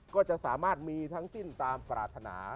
ก็จะสามารถมีทั้งสิ้นตามปรารถนา